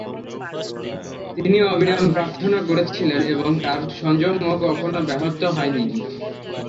তিনি অবিরাম প্রার্থনা করেছিলেন এবং তাঁর সংযম কখনও ব্যাহত হয়নি।